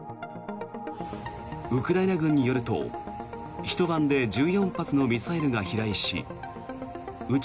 ウクライナ軍によるとひと晩で１４発のミサイルが飛来しうち